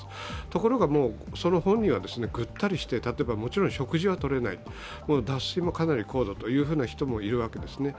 ところが、本人はぐったりして、もちろん食事はとれない脱水もかなり高度という人もいるわけですね。